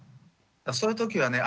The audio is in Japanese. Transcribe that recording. そういうときはね